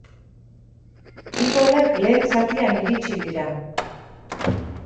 Bi golak lehen zatian iritsi dira.